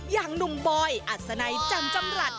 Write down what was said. อย่างนุ่มบอยอัสนัยจำลต